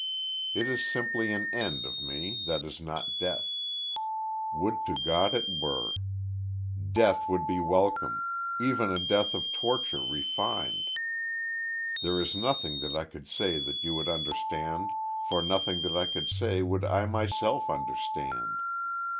It is simply an end of me that is not death. Would to God it were. Death would be welcome even a death of torture refined. There is nothing that I could say that you would understand for nothing that I could say would I myself understand.